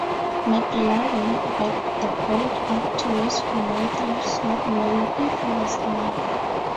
MacLaren backed the boat up to rescue Matthews not knowing if he was alive.